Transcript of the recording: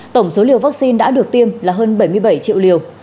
tổng số liều vaccine đã được tiêm là hơn bảy mươi bảy triệu liều